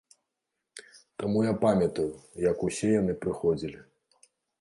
Таму я памятаю, як усе яны прыходзілі.